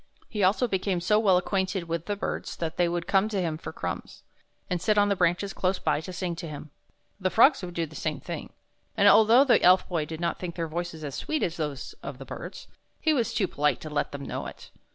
He also became so well acquainted with the birds that they would come to him for crumbs, and sit on the branches close by to sing to him; the frogs would do the same thing, 25 THE BOY WHO DISCOVERED THE SPRING and although the Elf Boy did not think their voices as sweet as those of the birds, he was too polite to let them know it.